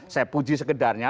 saya puji sekedarnya